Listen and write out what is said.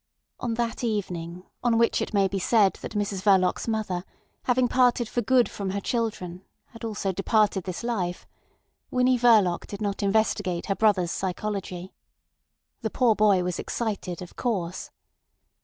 On that evening on which it may be said that Mrs Verloc's mother having parted for good from her children had also departed this life, Winnie Verloc did not investigate her brother's psychology. The poor boy was excited, of course.